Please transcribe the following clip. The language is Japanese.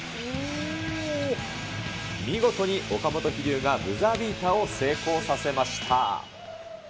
見事に岡本飛竜がブザービーターを成功させました。